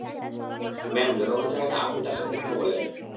Ma'am, জনগণ চায়না আপনি তার সাথে কথা বলেন।